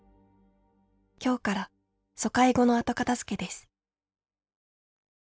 今日から疎開後の後片づけです」。